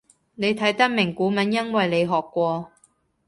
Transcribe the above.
你睇得明古文因為你學過